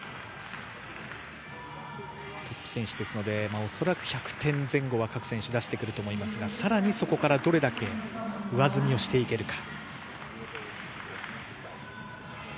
トップ選手ですので１００点前後は各選手、出してくると思いますがさらにそこからどれだけ上積みしていけるか。